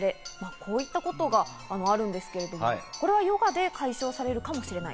こういったことがあるんですけれど、これをヨガで解消できるかもしれない。